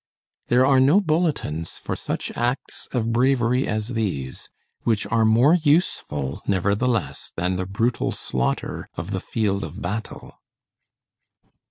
There are no bulletins for such acts of bravery as these, which are more useful, nevertheless, than the brutal slaughter of the field of battle.